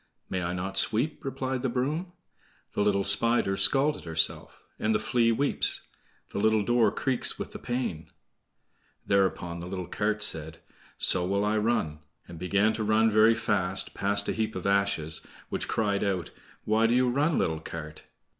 "May I not sweep?" replied the broom: "The little Spider's scalt herself, And the Flea weeps; The little door creaks with the pain,"— Thereupon the little cart said: "So will I run," and began to run very fast, past a heap of ashes, which cried out: "Why do you run, little cart?"